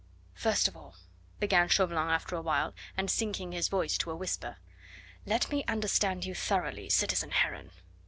"First of all," began Chauvelin after a while, and sinking his voice to a whisper, "let me understand you thoroughly, citizen Heron.